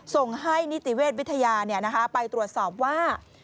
ส่งให้นิติเวชวิทยาไปตรวจสอบว่า